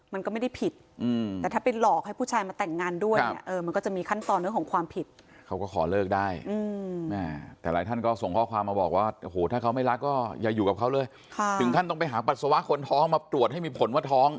มันเป็นมุคิยะแต่จะต้องบอกเลิกภายใน๙๐วัน